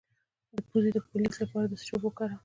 د پوزې د پولیت لپاره د څه شي اوبه وکاروم؟